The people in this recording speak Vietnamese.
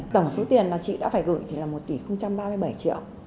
tổng số tiền mà chị đã phải gửi thì là một tỷ ba mươi bảy triệu